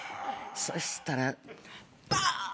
そしたらバーン！